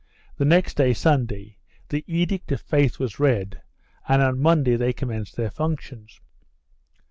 The next day, Sunday, the Edict of Faith was read and on Monday they commenced their functions.